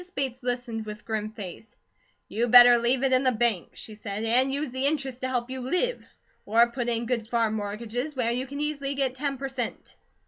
Bates listened with grim face: "You better leave it in the bank," she said, "and use the interest to help you live, or put it in good farm mortgages, where you can easily get ten per cent."